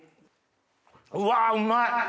うわうまい！